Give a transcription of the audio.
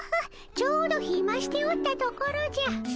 ちょうどひましておったところじゃ。